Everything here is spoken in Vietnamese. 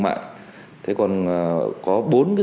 sẽ phát điện thương mại